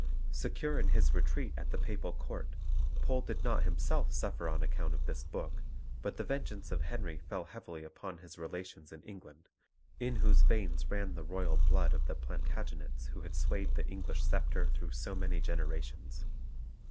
Secure in his retreat at the Papal Court, Pole did not himself suffer on account of his book, but the vengeance of Henry fell heavily upon his relations in England, in whose veins ran the royal blood of the Plantagenets who had swayed the English sceptre through so many generations.